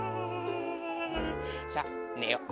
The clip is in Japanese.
さあねよう。